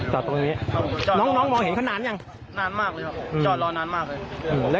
ที่สวมหมวกกับนั่งคล่อมเหมือนกับรอใครแบบเนี่ยอยู่หลายชั่วโมงแล้วนะครับ